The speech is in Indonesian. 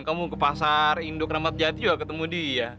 kamu ke pasar induk ramadjati juga ketemu dia